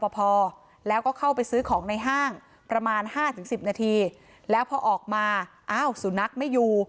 ไปซื้อของในห้างประมาณ๕๑๐นาทีแล้วพอออกมาอ้าวสุนัขไม่อยู่